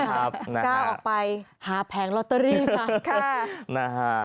กล้าออกไปหาแผงลอตเตอรี่มาค่ะ